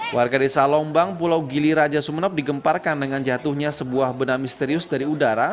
warga di salombang pulau gili raja sumenep digemparkan dengan jatuhnya sebuah benda misterius dari udara